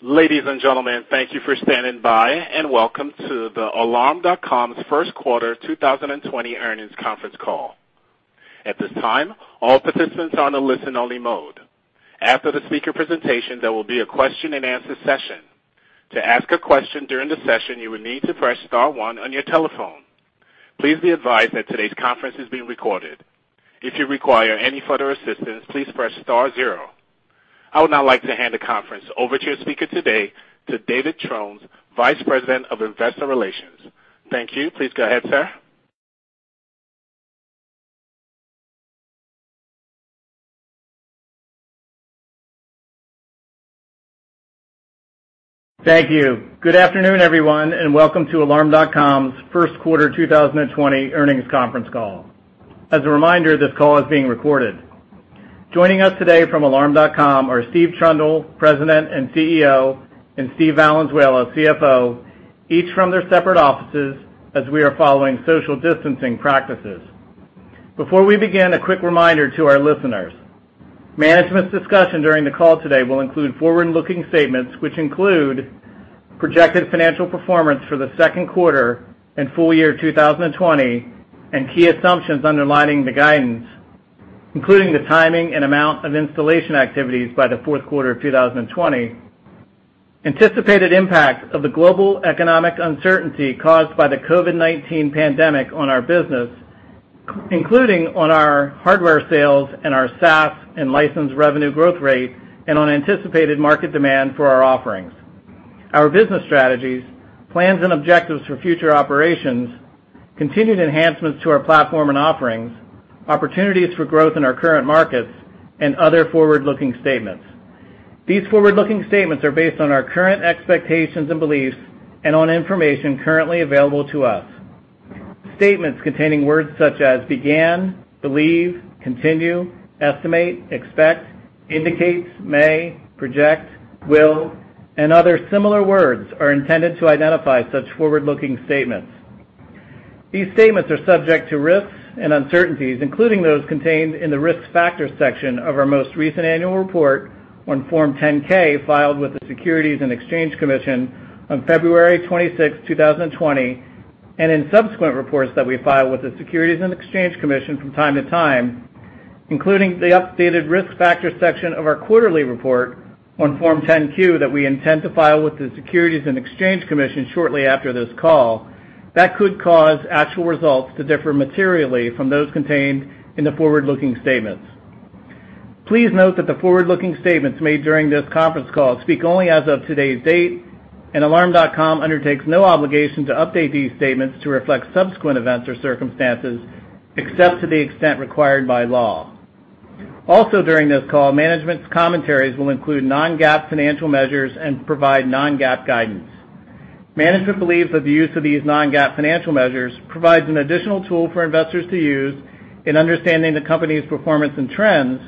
Ladies and gentlemen, thank you for standing by, and welcome to the Alarm.com's first quarter 2020 earnings conference call. At this time, all participants are on a listen-only mode. After the speaker presentation, there will be a question and answer session. To ask a question during the session, you will need to press star one on your telephone. Please be advised that today's conference is being recorded. If you require any further assistance, please press star zero. I would now like to hand the conference over to your speaker today, to David Trone, Vice President of Investor Relations. Thank you. Please go ahead, sir. Thank you. Good afternoon, everyone, and welcome to Alarm.com's first quarter 2020 earnings conference call. As a reminder, this call is being recorded. Joining us today from Alarm.com are Steve Trundle, President and Chief Executive Officer, and Steve Valenzuela, Chief Financial Officer, each from their separate offices, as we are following social distancing practices. Before we begin, a quick reminder to our listeners. Management's discussion during the call today will include forward-looking statements which include projected financial performance for the second quarter and full year 2020 and key assumptions underlining the guidance, including the timing and amount of installation activities by the fourth quarter of 2020, anticipated impact of the global economic uncertainty caused by the COVID-19 pandemic on our business, including on our hardware sales and our SaaS and license revenue growth rate, and on anticipated market demand for our offerings, our business strategies, plans and objectives for future operations, continued enhancements to our platform and offerings, opportunities for growth in our current markets, and other forward-looking statements. These forward-looking statements are based on our current expectations and beliefs and on information currently available to us. Statements containing words such as "began," "believe," "continue," "estimate," "expect," "indicates," "may," "project," "will," and other similar words are intended to identify such forward-looking statements. These statements are subject to risks and uncertainties, including those contained in the Risk Factors section of our most recent annual report on Form 10-K filed with the Securities and Exchange Commission on February 26th, 2020, and in subsequent reports that we file with the Securities and Exchange Commission from time to time, including the updated Risk Factors section of our quarterly report on Form 10-Q that we intend to file with the Securities and Exchange Commission shortly after this call, that could cause actual results to differ materially from those contained in the forward-looking statements. Please note that the forward-looking statements made during this conference call speak only as of today's date, and Alarm.com undertakes no obligation to update these statements to reflect subsequent events or circumstances, except to the extent required by law. Also during this call, management's commentaries will include Non-GAAP financial measures and provide Non-GAAP guidance. Management believes that the use of these Non-GAAP financial measures provides an additional tool for investors to use in understanding the company's performance and trends.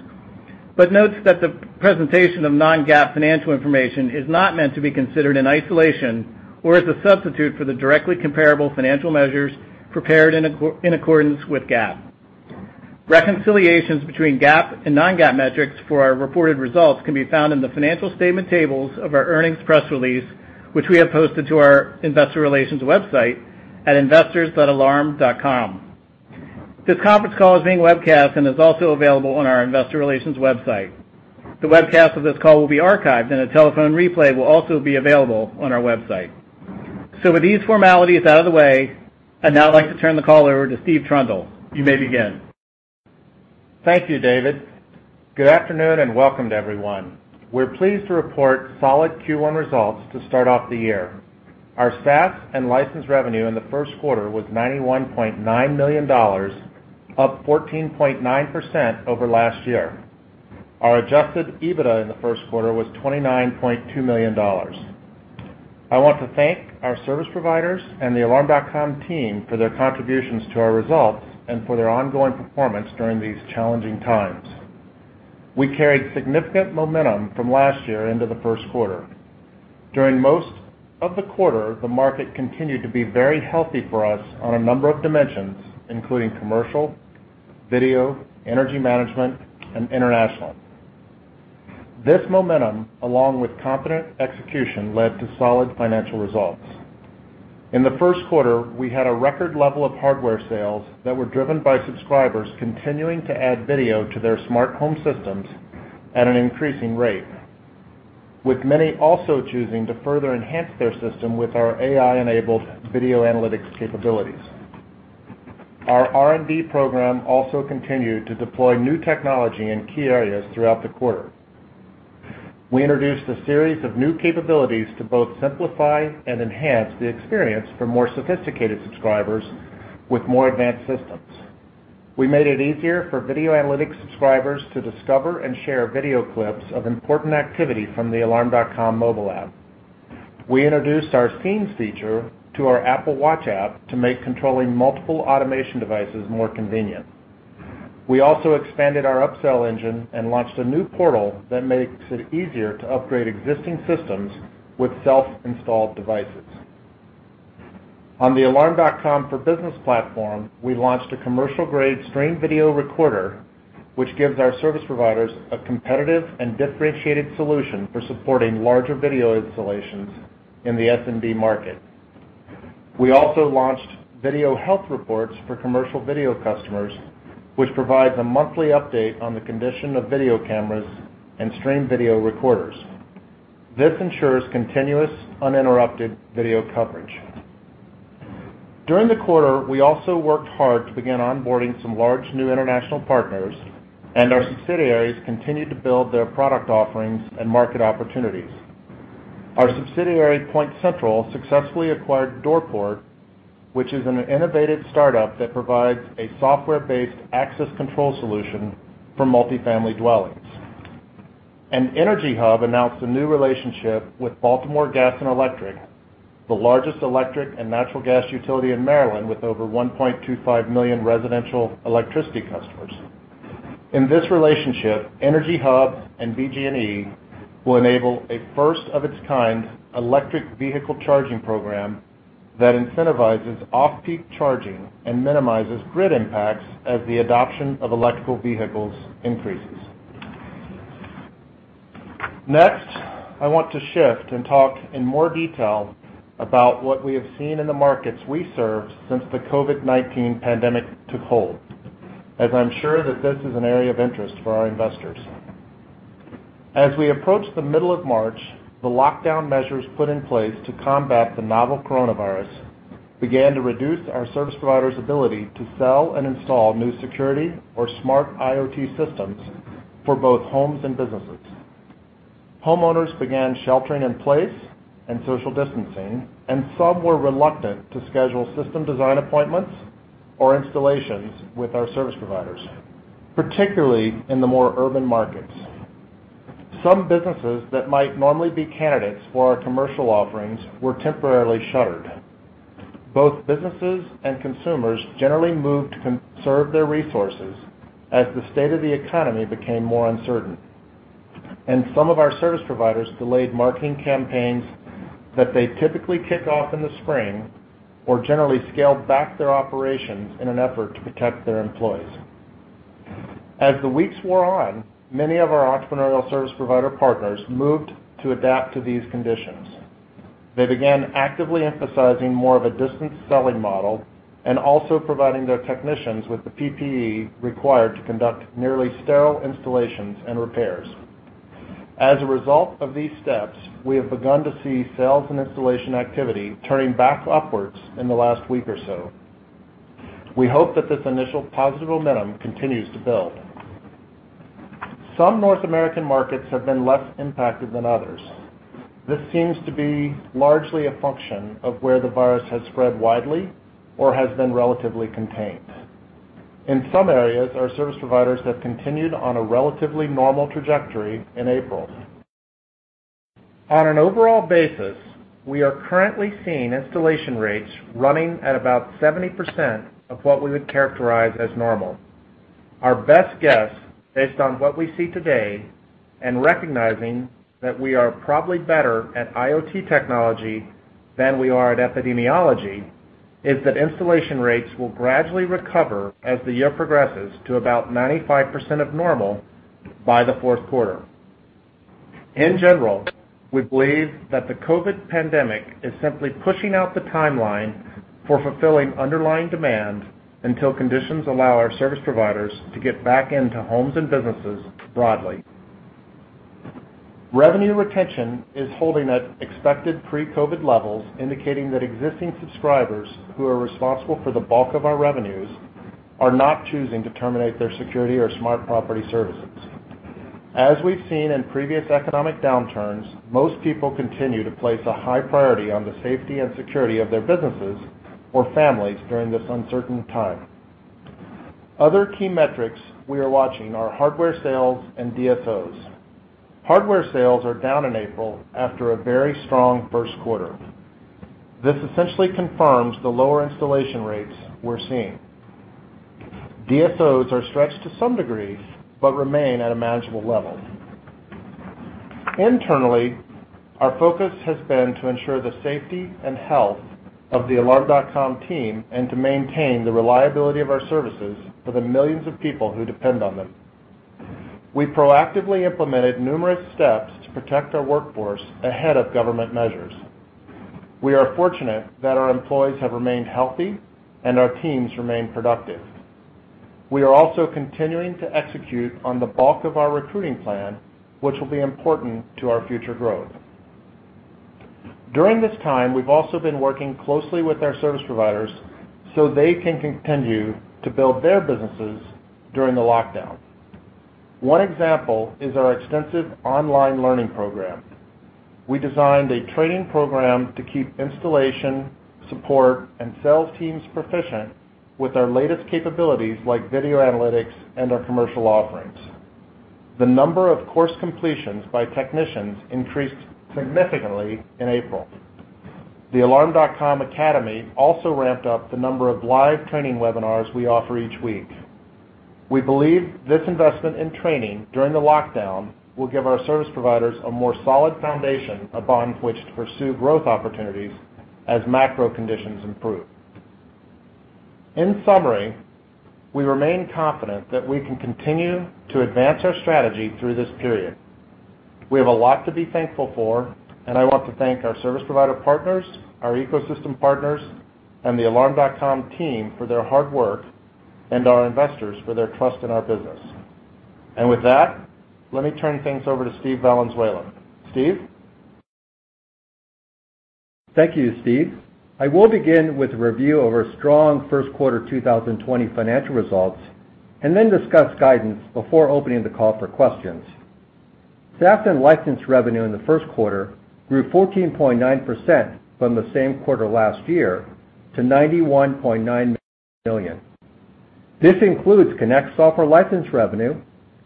Notes that the presentation of Non-GAAP financial information is not meant to be considered in isolation, or as a substitute for the directly comparable financial measures prepared in accordance with GAAP. Reconciliations between GAAP and Non-GAAP metrics for our reported results can be found in the financial statement tables of our earnings press release, which we have posted to our investor relations website at investors.alarm.com. This conference call is being webcast and is also available on our investor relations website. The webcast of this call will be archived and a telephone replay will also be available on our website. With these formalities out of the way, I'd now like to turn the call over to Steve Trundle. You may begin. Thank you, David. Good afternoon, and welcome to everyone. We're pleased to report solid Q1 results to start off the year. Our SaaS and license revenue in the first quarter was $91.9 million, up 14.9% over last year. Our adjusted EBITDA in the first quarter was $29.2 million. I want to thank our service providers and the Alarm.com team for their contributions to our results and for their ongoing performance during these challenging times. We carried significant momentum from last year into the first quarter. During most of the quarter, the market continued to be very healthy for us on a number of dimensions, including commercial, video, energy management, and international. This momentum, along with competent execution, led to solid financial results. In the first quarter, we had a record level of hardware sales that were driven by subscribers continuing to add video to their smart home systems at an increasing rate, with many also choosing to further enhance their system with our AI-enabled video analytics capabilities. Our R&D program also continued to deploy new technology in key areas throughout the quarter. We introduced a series of new capabilities to both simplify and enhance the experience for more sophisticated subscribers with more advanced systems. We made it easier for video analytics subscribers to discover and share video clips of important activity from the Alarm.com mobile app. We introduced our Scenes feature to our Apple Watch app to make controlling multiple automation devices more convenient. We also expanded our upsell engine and launched a new portal that makes it easier to upgrade existing systems with self-installed devices. On the Alarm.com for Business platform, we launched a commercial-grade stream video recorder, which gives our service providers a competitive and differentiated solution for supporting larger video installations in the SMB market. We also launched video health reports for commercial video customers, which provides a monthly update on the condition of video cameras and stream video recorders. This ensures continuous, uninterrupted video coverage. During the quarter, we also worked hard to begin onboarding some large new international partners, and our subsidiaries continued to build their product offerings and market opportunities. Our subsidiary, PointCentral, successfully acquired Doorport, which is an innovative startup that provides a software-based access control solution for multifamily dwellings. EnergyHub announced a new relationship with Baltimore Gas and Electric, the largest electric and natural gas utility in Maryland, with over 1.25 million residential electricity customers. In this relationship, EnergyHub and BGE will enable a first-of-its-kind electric vehicle charging program that incentivizes off-peak charging and minimizes grid impacts as the adoption of electrical vehicles increases. I want to shift and talk in more detail about what we have seen in the markets we serve since the COVID-19 pandemic took hold, as I'm sure that this is an area of interest for our investors. As we approach the middle of March, the lockdown measures put in place to combat the novel coronavirus began to reduce our service providers' ability to sell and install new security or smart IoT systems for both homes and businesses. Homeowners began sheltering in place and social distancing, and some were reluctant to schedule system design appointments or installations with our service providers, particularly in the more urban markets. Some businesses that might normally be candidates for our commercial offerings were temporarily shuttered. Both businesses and consumers generally moved to conserve their resources as the state of the economy became more uncertain, and some of our service providers delayed marketing campaigns that they typically kick off in the spring or generally scaled back their operations in an effort to protect their employees. As the weeks wore on, many of our entrepreneurial service provider partners moved to adapt to these conditions. They began actively emphasizing more of a distance selling model and also providing their technicians with the PPE required to conduct nearly sterile installations and repairs. As a result of these steps, we have begun to see sales and installation activity turning back upwards in the last week or so. We hope that this initial positive momentum continues to build. Some North American markets have been less impacted than others. This seems to be largely a function of where the virus has spread widely or has been relatively contained. In some areas, our service providers have continued on a relatively normal trajectory in April. On an overall basis, we are currently seeing installation rates running at about 70% of what we would characterize as normal. Our best guess, based on what we see today and recognizing that we are probably better at IoT technology than we are at epidemiology, is that installation rates will gradually recover as the year progresses to about 95% of normal by the fourth quarter. In general, we believe that the COVID pandemic is simply pushing out the timeline for fulfilling underlying demand until conditions allow our service providers to get back into homes and businesses broadly. Revenue retention is holding at expected pre-COVID levels, indicating that existing subscribers who are responsible for the bulk of our revenues are not choosing to terminate their security or smart property services. As we've seen in previous economic downturns, most people continue to place a high priority on the safety and security of their businesses or families during this uncertain time. Other key metrics we are watching are hardware sales and DSOs. Hardware sales are down in April after a very strong first quarter. This essentially confirms the lower installation rates we're seeing. DSOs are stretched to some degree, but remain at a manageable level. Internally, our focus has been to ensure the safety and health of the Alarm.com team and to maintain the reliability of our services for the millions of people who depend on them. We proactively implemented numerous steps to protect our workforce ahead of government measures. We are fortunate that our employees have remained healthy and our teams remain productive. We are also continuing to execute on the bulk of our recruiting plan, which will be important to our future growth. During this time, we've also been working closely with our service providers so they can continue to build their businesses during the lockdown. One example is our extensive online learning program. We designed a training program to keep installation, support, and sales teams proficient with our latest capabilities, like video analytics and our commercial offerings. The number of course completions by technicians increased significantly in April. The Alarm.com Academy also ramped up the number of live training webinars we offer each week. We believe this investment in training during the lockdown will give our service providers a more solid foundation upon which to pursue growth opportunities as macro conditions improve. In summary, we remain confident that we can continue to advance our strategy through this period. We have a lot to be thankful for, and I want to thank our service provider partners, our ecosystem partners, and the Alarm.com team for their hard work, and our investors for their trust in our business. With that, let me turn things over to Steve Valenzuela. Steve? Thank you, Steve. I will begin with a review of our strong first quarter 2020 financial results, and then discuss guidance before opening the call for questions. SaaS and license revenue in the first quarter grew 14.9% from the same quarter last year to $91.9 million. This includes Connect software license revenue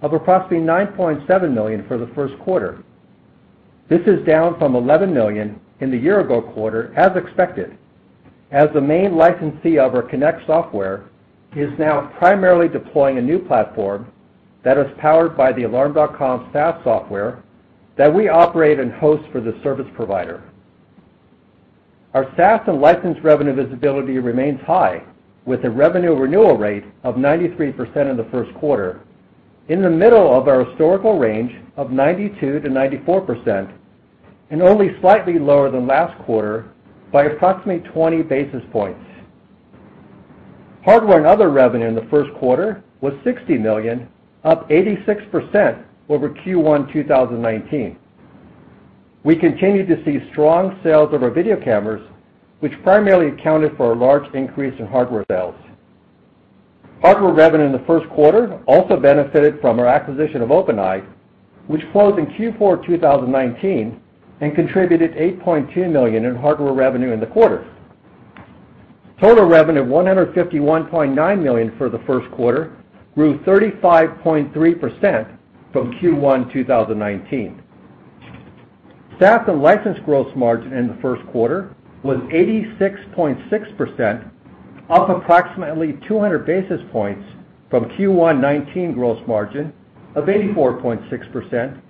of approximately $9.7 million for the first quarter. This is down from $11 million in the year-ago quarter, as expected, as the main licensee of our Connect software is now primarily deploying a new platform that is powered by the Alarm.com SaaS software that we operate and host for the service provider. Our SaaS and license revenue visibility remains high, with a revenue renewal rate of 93% in the first quarter, in the middle of our historical range of 92%-94%, and only slightly lower than last quarter by approximately 20 basis points. Hardware and other revenue in the first quarter was $60 million, up 86% over Q1 2019. We continued to see strong sales of our video cameras, which primarily accounted for a large increase in hardware sales. Hardware revenue in the first quarter also benefited from our acquisition of OpenEye, which closed in Q4 2019 and contributed $8.2 million in hardware revenue in the quarter. Total revenue of $151.9 million for the first quarter grew 35.3% from Q1 2019. SaaS and license gross margin in the first quarter was 86.6%, up approximately 200 basis points from Q1 2019 gross margin of 84.6%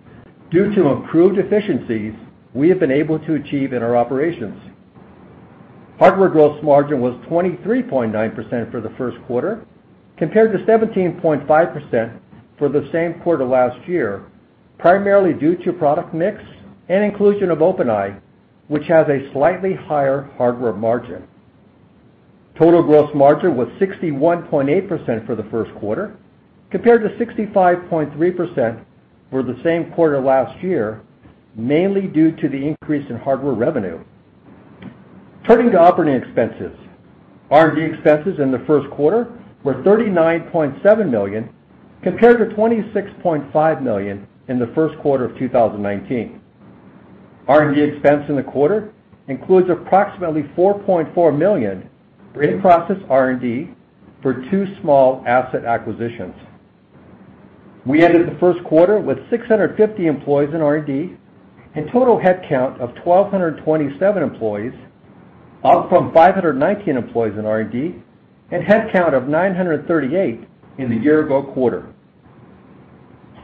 due to improved efficiencies we have been able to achieve in our operations. Hardware gross margin was 23.9% for the first quarter, compared to 17.5% for the same quarter last year, primarily due to product mix and inclusion of OpenEye, which has a slightly higher hardware margin. Total gross margin was 61.8% for the first quarter, compared to 65.3% for the same quarter last year, mainly due to the increase in hardware revenue. Turning to operating expenses. R&D expenses in the first quarter were $39.7 million, compared to $26.5 million in the first quarter of 2019. R&D expense in the quarter includes approximately $4.4 million in process R&D for two small asset acquisitions. We ended the first quarter with 650 employees in R&D and total headcount of 1,227 employees, up from 519 employees in R&D and headcount of 938 in the year-ago quarter.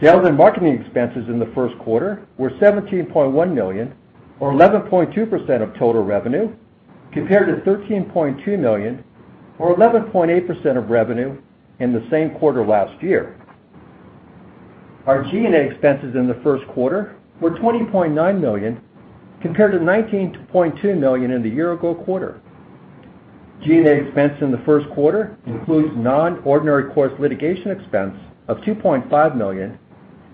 Sales and marketing expenses in the first quarter were $17.1 million or 11.2% of total revenue, compared to $13.2 million or 11.8% of revenue in the same quarter last year. Our G&A expenses in the first quarter were $20.9 million, compared to $19.2 million in the year-ago quarter. G&A expense in the first quarter includes non-ordinary course litigation expense of $2.5 million,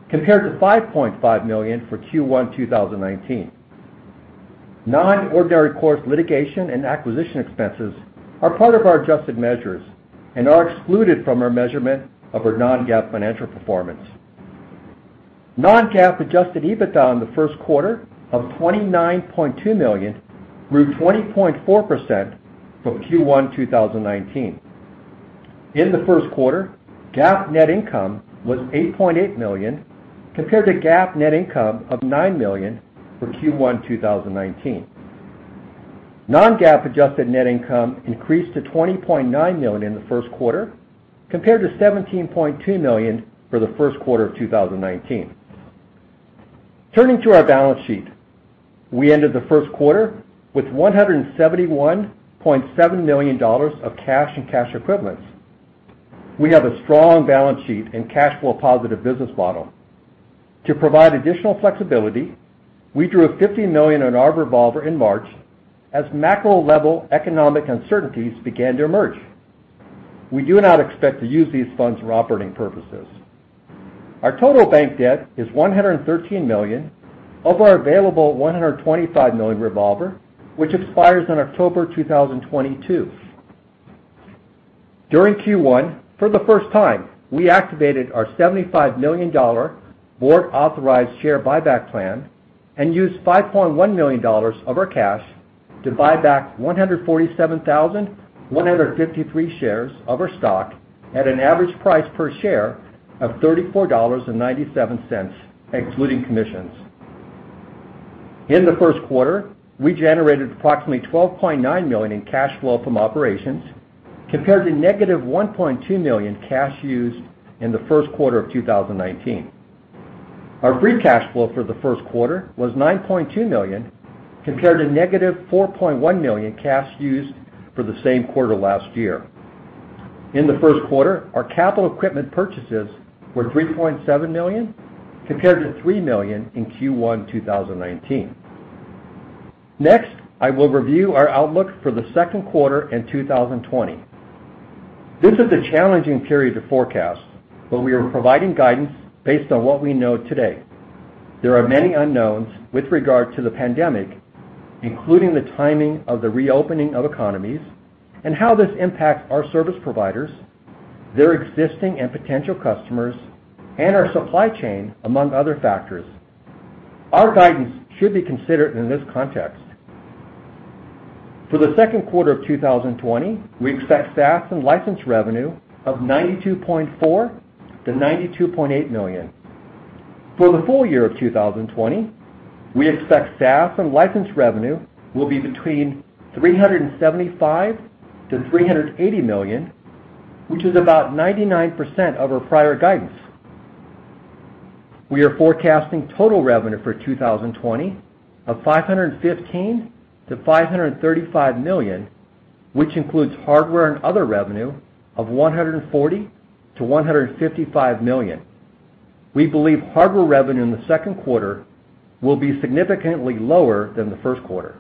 compared to $5.5 million for Q1 2019. Non-ordinary course litigation and acquisition expenses are part of our adjusted measures and are excluded from our measurement of our Non-GAAP financial performance. Non-GAAP adjusted EBITDA in the first quarter of $29.2 million grew 20.4% from Q1 2019. In the first quarter, GAAP net income was $8.8 million, compared to GAAP net income of $9 million for Q1 2019. Non-GAAP adjusted net income increased to $20.9 million in the first quarter, compared to $17.2 million for the first quarter of 2019. Turning to our balance sheet. We ended the first quarter with $171.7 million of cash and cash equivalents. We have a strong balance sheet and cash flow positive business model. To provide additional flexibility, we drew $50 million on our revolver in March as macro level economic uncertainties began to emerge. We do not expect to use these funds for operating purposes. Our total bank debt is $113 million of our available $125 million revolver, which expires on October 2022. During Q1, for the first time, we activated our $75 million board-authorized share buyback plan and used $5.1 million of our cash to buy back 147,153 shares of our stock at an average price per share of $34.97, excluding commissions. In the first quarter, we generated approximately $12.9 million in cash flow from operations compared to negative $1.2 million cash used in the first quarter of 2019. Our free cash flow for the first quarter was $9.2 million compared to negative $4.1 million cash used for the same quarter last year. In the first quarter, our capital equipment purchases were $3.7 million compared to $3 million in Q1 2019. Next, I will review our outlook for the second quarter in 2020. This is a challenging period to forecast, we are providing guidance based on what we know today. There are many unknowns with regard to the pandemic, including the timing of the reopening of economies and how this impacts our service providers, their existing and potential customers, and our supply chain, among other factors. Our guidance should be considered in this context. For the second quarter of 2020, we expect SaaS and license revenue of $92.4 million-$92.8 million. For the full year of 2020, we expect SaaS and license revenue will be between $375 million-$380 million, which is about 99% of our prior guidance. We are forecasting total revenue for 2020 of $515 million-$535 million, which includes hardware and other revenue of $140 million-$155 million. We believe hardware revenue in the second quarter will be significantly lower than the first quarter.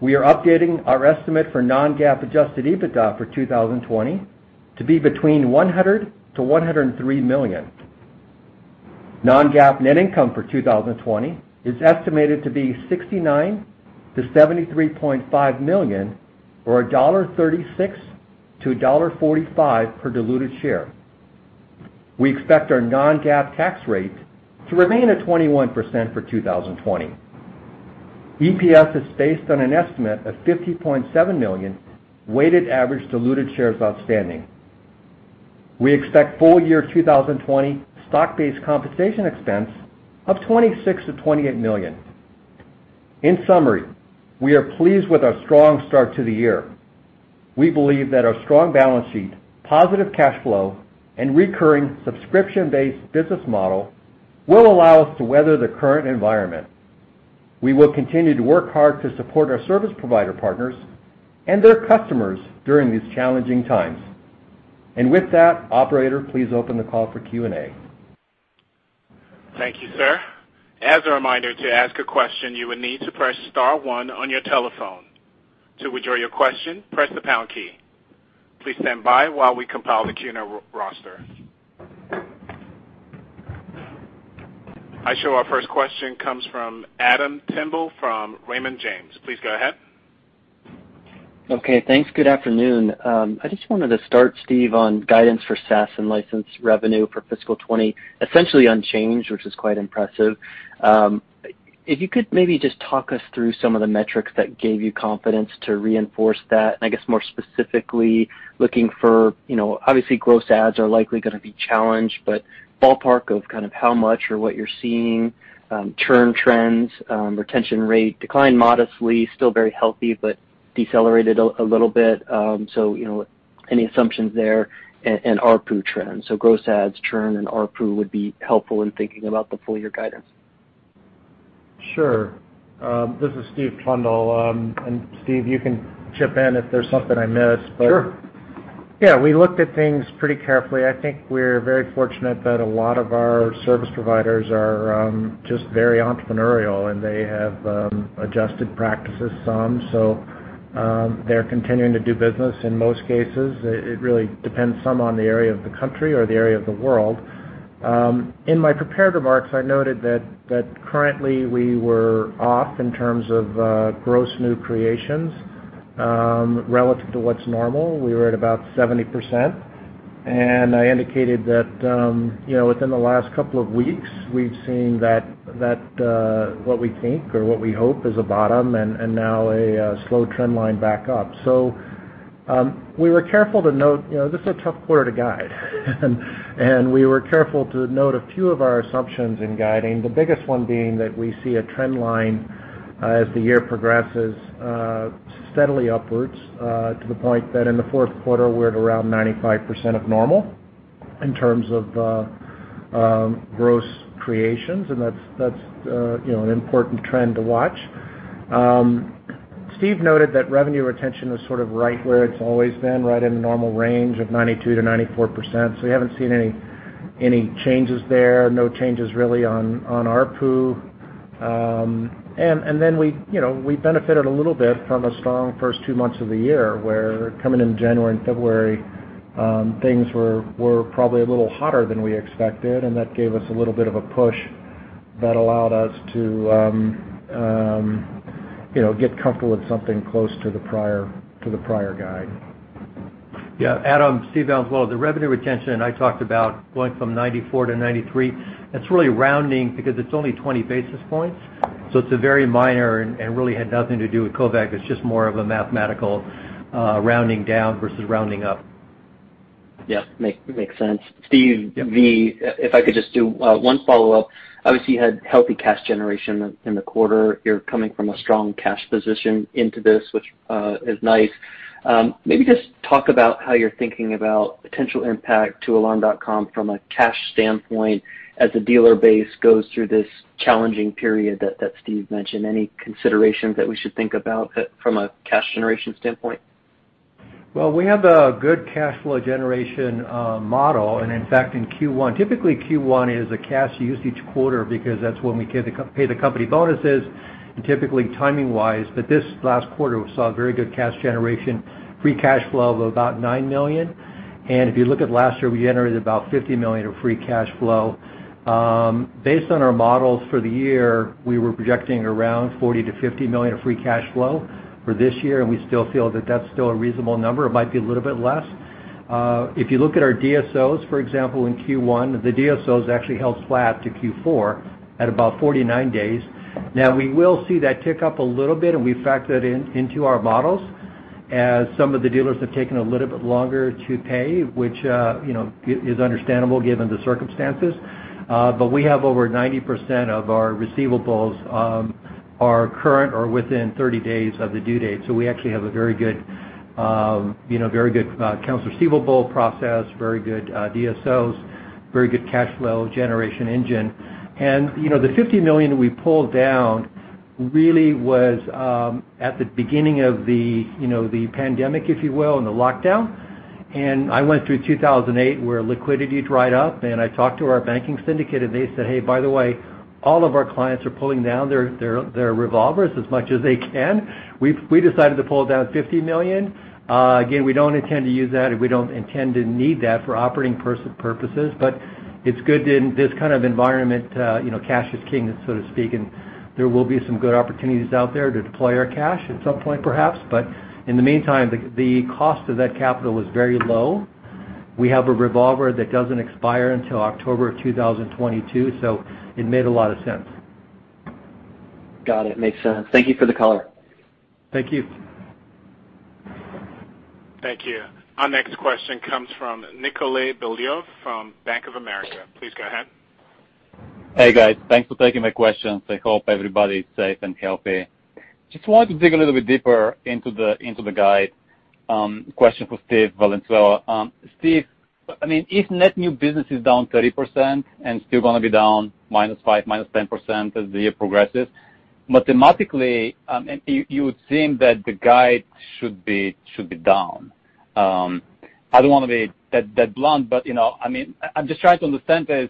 We are updating our estimate for Non-GAAP adjusted EBITDA for 2020 to be between $100 million-$103 million. Non-GAAP net income for 2020 is estimated to be $69 million-$73.5 million, or $1.36-$1.45 per diluted share. We expect our Non-GAAP tax rate to remain at 21% for 2020. EPS is based on an estimate of 50.7 million weighted average diluted shares outstanding. We expect full-year 2020 stock-based compensation expense of $26 million-$28 million. In summary, we are pleased with our strong start to the year. We believe that our strong balance sheet, positive cash flow, and recurring subscription-based business model will allow us to weather the current environment. We will continue to work hard to support our service provider partners and their customers during these challenging times. With that, operator, please open the call for Q&A. Thank you, sir. As a reminder, to ask a question, you will need to press star one on your telephone. To withdraw your question, press the hash key. Please stand by while we compile the Q&A roster. I show our first question comes from Adam Tindle from Raymond James. Please go ahead. Okay. Thanks. Good afternoon. Just wanted to start, Steve, on guidance for SaaS and license revenue for fiscal 2020, essentially unchanged, which is quite impressive. You could maybe just talk us through some of the metrics that gave you confidence to reinforce that, and I guess more specifically, looking for, obviously, gross adds are likely going to be challenged, but ballpark of how much or what you're seeing, churn trends, retention rate declined modestly, still very healthy, but decelerated a little bit. Any assumptions there and ARPU trends. Gross adds, churn, and ARPU would be helpful in thinking about the full year guidance. Sure. This is Steve Trundle. Steve, you can chip in if there's something I miss. Sure. Yeah, we looked at things pretty carefully. I think we're very fortunate that a lot of our service providers are just very entrepreneurial, and they have adjusted practices some, so they're continuing to do business in most cases. It really depends some on the area of the country or the area of the world. In my prepared remarks, I noted that currently we were off in terms of gross new creations relative to what's normal. We were at about 70%. I indicated that within the last couple of weeks, we've seen what we think or what we hope is a bottom, and now a slow trend line back up. We were careful to note, this is a tough quarter to guide and we were careful to note a few of our assumptions in guiding, the biggest one being that we see a trend line as the year progresses steadily upwards to the point that in the fourth quarter, we're at around 95% of normal in terms of gross creations. That's an important trend to watch. Steve noted that revenue retention was right where it's always been, right in the normal range of 92%-94%. We haven't seen any changes there. No changes really on ARPU. We benefited a little bit from a strong first two months of the year, where coming into January and February, things were probably a little hotter than we expected, and that gave us a little bit of a push that allowed us to get comfortable with something close to the prior guide. Yeah. Adam, Steve Valenzuela. The revenue retention I talked about going from 94%-93%, that's really rounding because it's only 20 basis points, so it's very minor and really had nothing to do with COVID. It's just more of a mathematical rounding down versus rounding up. Yeah. Makes sense. Steve Valenzuela., if I could just do one follow-up. Obviously, you had healthy cash generation in the quarter. You're coming from a strong cash position into this, which is nice. Maybe just talk about how you're thinking about potential impact to Alarm.com from a cash standpoint as the dealer base goes through this challenging period that Steve mentioned. Any considerations that we should think about from a cash generation standpoint? Well, we have a good cash flow generation model. In fact, in Q1. Typically, Q1 is a cash use each quarter because that's when we pay the company bonuses and typically timing-wise, but this last quarter, we saw a very good cash generation, free cash flow of about $9 million. If you look at last year, we generated about $50 million of free cash flow. Based on our models for the year, we were projecting around $40 million-$50 million of free cash flow for this year, and we still feel that that's still a reasonable number. It might be a little bit less. If you look at our DSOs, for example, in Q1, the DSOs actually held flat to Q4 at about 49 days. We will see that tick up a little bit, and we factor that into our models as some of the dealers have taken a little bit longer to pay, which is understandable given the circumstances. We have over 90% of our receivables are current or within 30 days of the due date. We actually have a very good accounts receivable process, very good DSOs, very good cash flow generation engine. The $50 million that we pulled down really was at the beginning of the pandemic, if you will, and the lockdown. I went through 2008 where liquidity dried up, and I talked to our banking syndicate, and they said, "Hey, by the way, all of our clients are pulling down their revolvers as much as they can." We decided to pull down $50 million. Again, we don't intend to use that, and we don't intend to need that for operating purposes. It's good in this kind of environment. Cash is king, so to speak, and there will be some good opportunities out there to deploy our cash at some point, perhaps. In the meantime, the cost of that capital was very low. We have a revolver that doesn't expire until October of 2022, so it made a lot of sense. Got it. Makes sense. Thank you for the color. Thank you. Thank you. Our next question comes from Nikolay Beliov from Bank of America. Please go ahead. Hey, guys. Thanks for taking my questions. I hope everybody is safe and healthy. Just wanted to dig a little bit deeper into the guide. Question for Steve Valenzuela. Steve, if net new business is down 30% and still going to be down -5%, -10% as the year progresses, mathematically, you would think that the guide should be down. I don't want to be that blunt, but I'm just trying to understand this.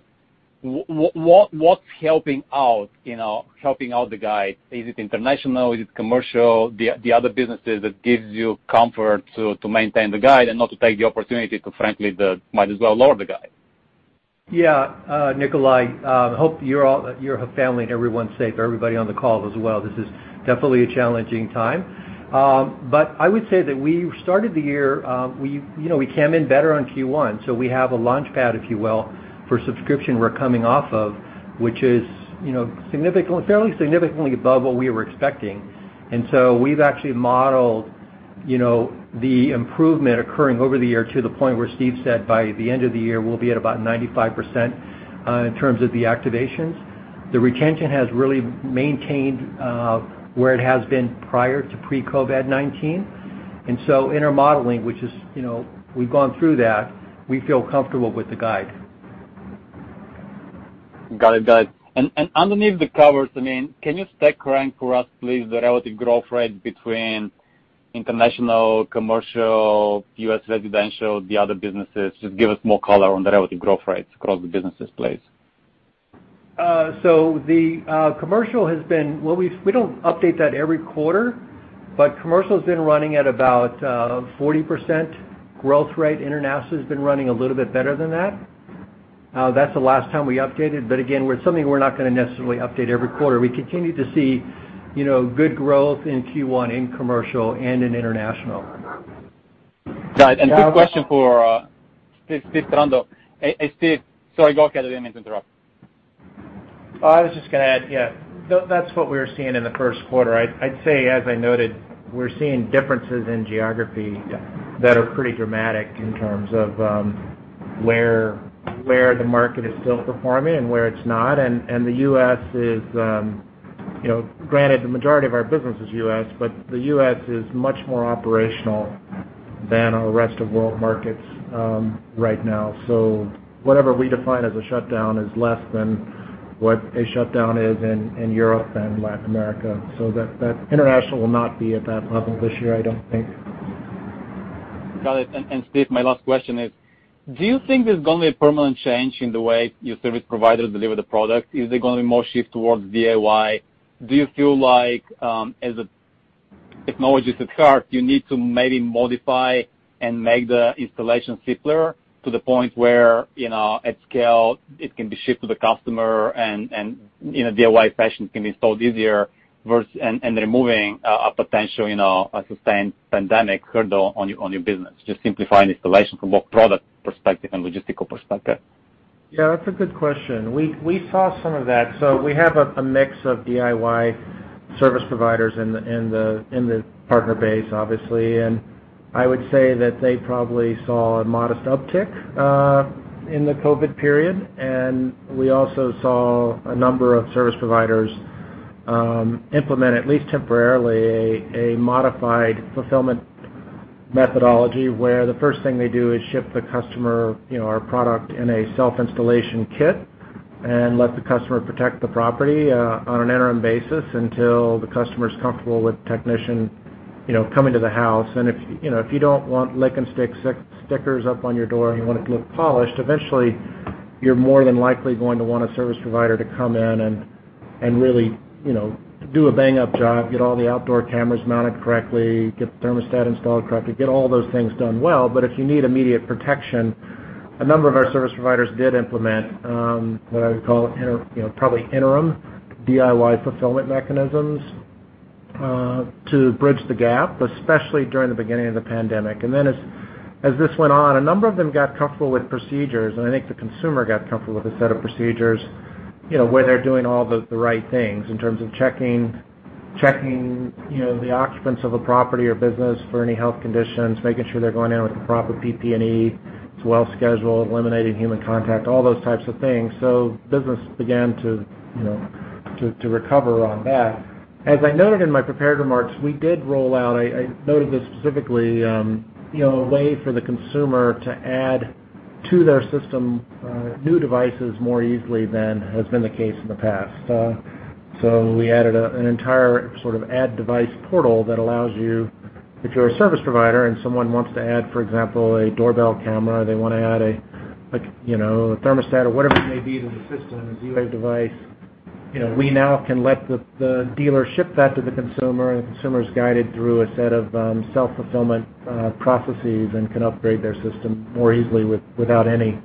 What's helping out the guide? Is it international? Is it commercial? The other businesses that gives you comfort to maintain the guide and not to take the opportunity to frankly, might as well lower the guide. Yeah. Nikolay, hope your family and everyone's safe, everybody on the call as well. This is definitely a challenging time. I would say that we started the year, we came in better on Q1, so we have a launch pad, if you will, for subscription we're coming off of, which is fairly significantly above what we were expecting. So we've actually modeled the improvement occurring over the year to the point where Steve said by the end of the year, we'll be at about 95% in terms of the activations. The retention has really maintained where it has been prior to pre-COVID-19. So in our modeling, which is we've gone through that, we feel comfortable with the guide. Got it. Underneath the covers, can you stack rank for us, please, the relative growth rate between international, commercial, U.S. residential, the other businesses? Just give us more color on the relative growth rates across the businesses, please. The commercial, we don't update that every quarter, but commercial's been running at about 40% growth rate. International's been running a little bit better than that. That's the last time we updated. Again, something we're not going to necessarily update every quarter. We continue to see good growth in Q1 in commercial and in international. Got it. Quick question for Steve Trundle. Hey, Steve. Sorry, go ahead. I didn't mean to interrupt. I was just going to add, yeah, that's what we were seeing in the first quarter. I'd say, as I noted, we're seeing differences in geography. Yeah that are pretty dramatic in terms of where the market is still performing and where it's not. Granted, the majority of our business is U.S., but the U.S. is much more operational than our rest of world markets right now. Whatever we define as a shutdown is less than what a shutdown is in Europe and Latin America. That international will not be at that level this year, I don't think. Got it. Steve, my last question is, do you think there's going to be a permanent change in the way your service providers deliver the product? Is there going to be more shift towards DIY? Do you feel like as the technology is at heart, you need to maybe modify and make the installation simpler to the point where at scale, it can be shipped to the customer and in a DIY fashion can be installed easier, removing a potential sustained pandemic hurdle on your business, just simplifying installation from both product perspective and logistical perspective? Yeah, that's a good question. We saw some of that. We have a mix of DIY service providers in the partner base, obviously. I would say that they probably saw a modest uptick in the COVID period, and we also saw a number of service providers implement, at least temporarily, a modified fulfillment methodology where the first thing they do is ship the customer our product in a self-installation kit and let the customer protect the property on an interim basis until the customer's comfortable with the technician coming to the house. If you don't want lick and stick stickers up on your door and you want it to look polished, eventually you're more than likely going to want a service provider to come in and really do a bang-up job, get all the outdoor cameras mounted correctly, get the thermostat installed correctly, get all those things done well. If you need immediate protection, a number of our service providers did implement what I would call probably interim DIY fulfillment mechanisms to bridge the gap, especially during the beginning of the pandemic. As this went on, a number of them got comfortable with procedures, and I think the consumer got comfortable with a set of procedures where they're doing all the right things in terms of checking the occupants of a property or business for any health conditions, making sure they're going in with the proper PPE to well schedule, eliminating human contact, all those types of things. Business began to recover on that. As I noted in my prepared remarks, we did roll out, I noted this specifically, a way for the consumer to add to their system new devices more easily than has been the case in the past. We added an entire add device portal that allows you, if you're a service provider and someone wants to add, for example, a doorbell camera, or they want to add a thermostat or whatever it may be to the system, a Z-Wave device, we now can let the dealer ship that to the consumer, and the consumer is guided through a set of self-fulfillment processes and can upgrade their system more easily without any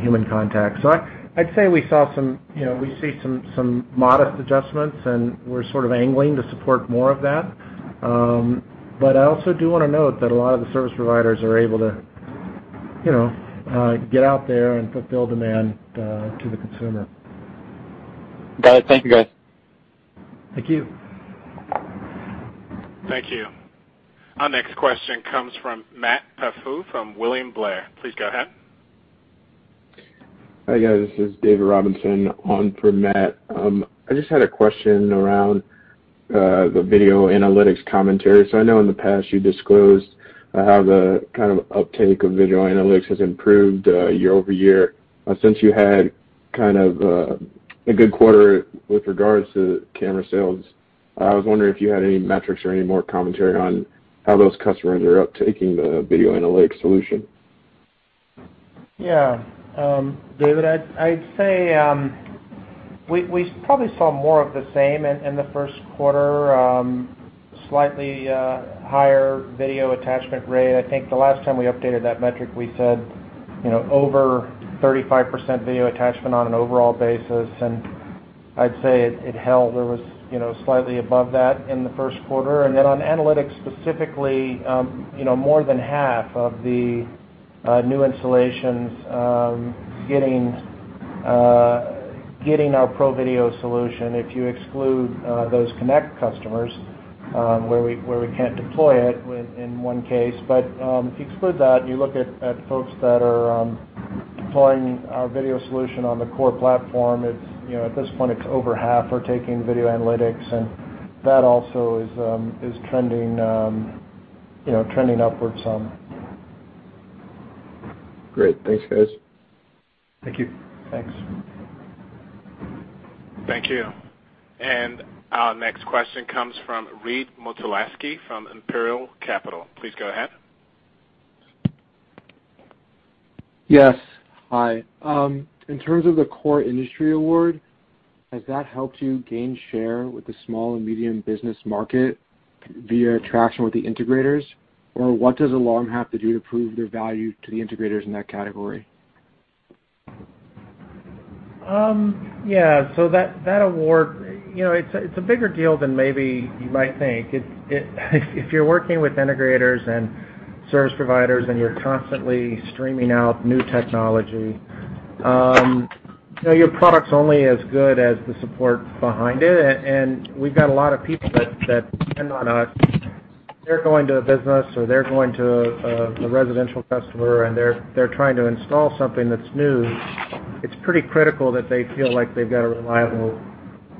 human contact. I'd say we see some modest adjustments, and we're sort of angling to support more of that. I also do want to note that a lot of the service providers are able to get out there and fulfill demand to the consumer. Got it. Thank you, guys. Thank you. Thank you. Our next question comes from Matt Pfau from William Blair. Please go ahead. Hi, guys. This is David Robinson on for Matt. I just had a question around the video analytics commentary. I know in the past you disclosed how the kind of uptake of video analytics has improved year-over-year since you had kind of a good quarter with regards to camera sales. I was wondering if you had any metrics or any more commentary on how those customers are uptaking the video analytics solution. Yeah. David, I'd say we probably saw more of the same in the first quarter, slightly higher video attachment rate. I think the last time we updated that metric, we said over 35% video attachment on an overall basis. I'd say it held. It was slightly above that in the first quarter. On analytics specifically, more than half of the new installations getting our Pro Video solution, if you exclude those Connect customers where we can't deploy it in one case. If you exclude that and you look at folks that are deploying our video solution on the CORE platform, at this point, it's over half are taking video analytics. That also is trending upwards some. Great. Thanks, guys. Thank you. Thanks. Thank you. Our next question comes from Reed Motulsky from Imperial Capital. Please go ahead. Yes. Hi. In terms of the CORE industry award, has that helped you gain share with the Small and Medium Business market via traction with the integrators? What does Alarm.com have to do to prove their value to the integrators in that category? Yeah. That award, it's a bigger deal than maybe you might think. If you're working with integrators and service providers and you're constantly streaming out new technology, your product's only as good as the support behind it, and we've got a lot of people that depend on us. They're going to a business or they're going to a residential customer, and they're trying to install something that's new. It's pretty critical that they feel like they've got a reliable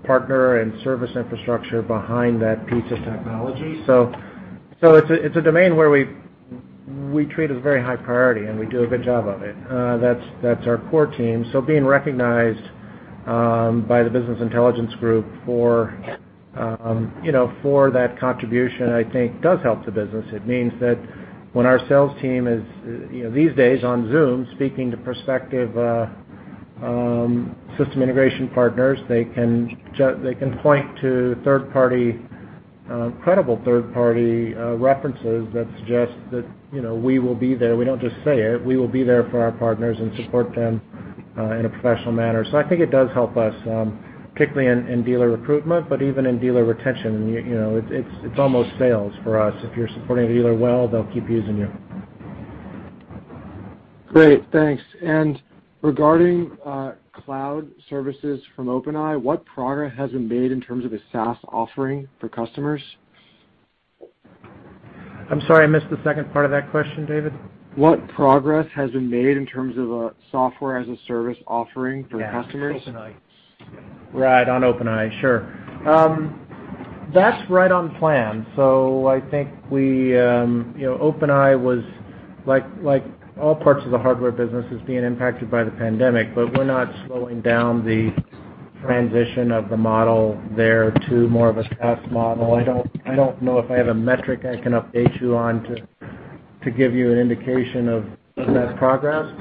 partner and service infrastructure behind that piece of technology. It's a domain where we treat as a very high priority, and we do a good job of it. That's our CORE team. Being recognized by the Business Intelligence Group for that contribution, I think, does help the business. It means that when our sales team is, these days on Zoom, speaking to prospective system integration partners, they can point to credible third-party references that suggest that we will be there. We don't just say it. We will be there for our partners and support them in a professional manner. I think it does help us, particularly in dealer recruitment, but even in dealer retention. It's almost sales for us. If you're supporting a dealer well, they'll keep using you. Great. Thanks. Regarding cloud services from OpenEye, what progress has been made in terms of a SaaS offering for customers? I'm sorry, I missed the second part of that question, David. What progress has been made in terms of a Software as a Service offering for customers? Yeah. OpenEye. Right. On OpenEye. Sure. That's right on plan. I think OpenEye was, like all parts of the hardware business, is being impacted by the pandemic, but we're not slowing down the transition of the model there to more of a SaaS model. I don't know if I have a metric I can update you on to give you an indication of that progress,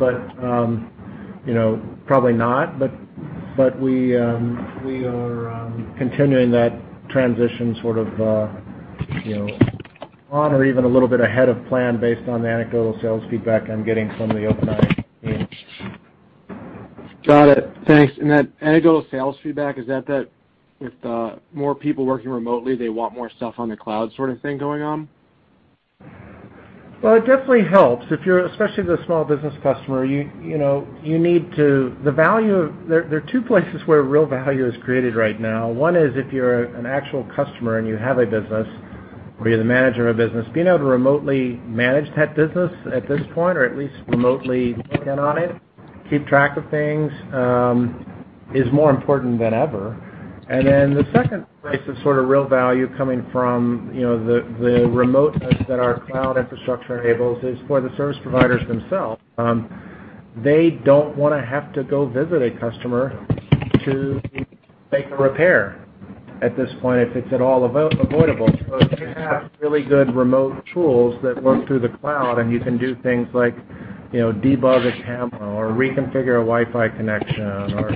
probably not, but we are continuing that transition sort of on or even a little bit ahead of plan based on the anecdotal sales feedback I'm getting from the OpenEye team. Got it. Thanks. That anecdotal sales feedback, is that with more people working remotely, they want more stuff on the cloud sort of thing going on? Well, it definitely helps. Especially the small business customer. There are two places where real value is created right now. One is if you're an actual customer and you have a business, or you're the manager of a business, being able to remotely manage that business at this point, or at least remotely check in on it, keep track of things, is more important than ever. The second place of sort of real value coming from the remoteness that our cloud infrastructure enables is for the service providers themselves. They don't want to have to go visit a customer to make a repair at this point, if it's at all avoidable. If you have really good remote tools that work through the cloud, and you can do things like debug a camera or reconfigure a Wi-Fi connection or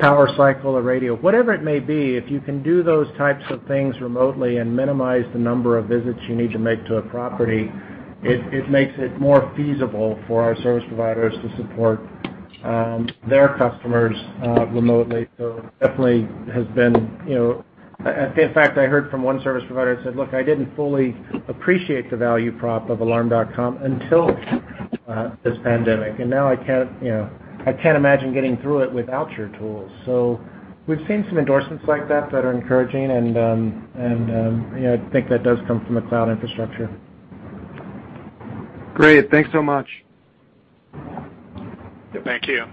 power cycle a radio, whatever it may be. If you can do those types of things remotely and minimize the number of visits you need to make to a property, it makes it more feasible for our service providers to support their customers remotely. In fact, I heard from one service provider who said, "Look, I didn't fully appreciate the value prop of Alarm.com until this pandemic, and now I can't imagine getting through it without your tools." We've seen some endorsements like that that are encouraging, and I think that does come from the cloud infrastructure. Great. Thanks so much. Thank you.